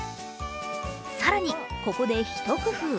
更にここでひと工夫。